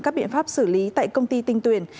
các biện pháp xử lý tại công ty tinh tuyền